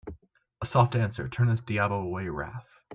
A soft answer turneth diabo away wrath.